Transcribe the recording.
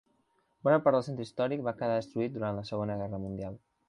Bona part del centre històric va quedar destruït durant la Segona Guerra Mundial.